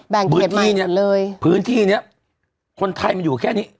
แบ่งเขตใหม่หมดเลยพื้นที่เนี่ยคนไทยมันอยู่แค่นี้